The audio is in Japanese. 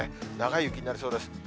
長い雪になりそうです。